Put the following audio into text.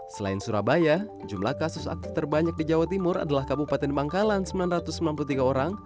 selain surabaya jumlah kasus aktif terbanyak di jawa timur adalah kabupaten bangkalan sembilan ratus sembilan puluh tiga orang